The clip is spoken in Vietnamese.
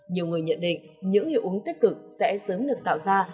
nhiều người nhận định những hiệu ứng tích cực sẽ sớm được tạo ra